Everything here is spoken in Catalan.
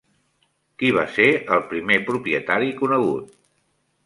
Qui va ser el primer propietari conegut?